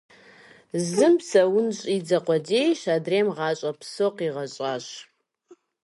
Зым псэун щӏидзэ къудейщ, адрейм – гъащӏэ псо къигъэщӏащ!